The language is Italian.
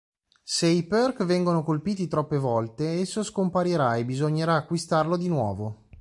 Se i perk vengono colpiti troppe volte esso scomparirà e bisognerà acquistarlo di nuovo.